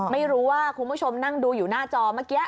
ไม่รู้ว่าคุณผู้ชมนั่งดูอยู่หน้าจอเมื่อกี้